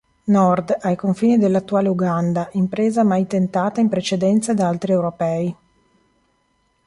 Nord, ai confini dell'attuale Uganda, impresa mai tentata in precedenza da altri europei.